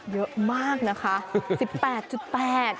เยอะมากนะคะ๑๘๘